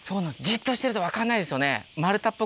じっとしてると分かんないですよね。